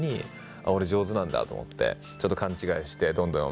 「あっ俺上手なんだ」と思ってちょっと勘違いして。